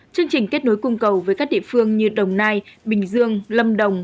chương trình kết nối cung cầu với các địa phương như đồng nai bình dương lâm đồng